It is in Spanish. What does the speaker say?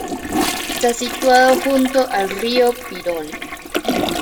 Está situado junto al río Pirón.